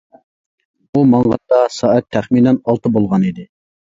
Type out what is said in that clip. ئۇ ماڭغاندا سائەت تەخمىنەن ئالتە بولغان ئىدى.